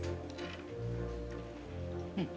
◆うん。